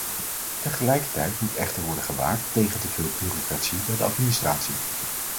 Tegelijkertijd moet echter worden gewaakt tegen te veel bureaucratie bij de administratie.